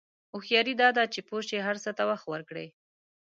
هوښیاري دا ده چې پوه شې هر څه ته وخت ورکړې.